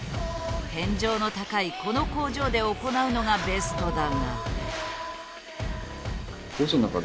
天井の高いこの工場で行うのがベストだが。